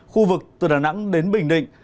khu vực từ đà nẵng đến bình định